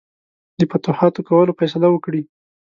د فتوحاتو کولو فیصله وکړي.